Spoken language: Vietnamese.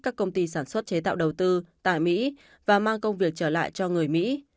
các công ty sản xuất chế tạo đầu tư tại mỹ và mang công việc trở lại cho người mỹ